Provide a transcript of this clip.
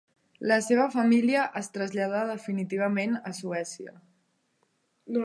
La seva família es traslladà definitivament a Suècia.